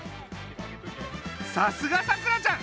さすがさくらちゃん！